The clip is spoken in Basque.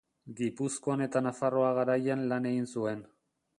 Gipuzkoan eta Nafarroa Garaian lan egin zuen.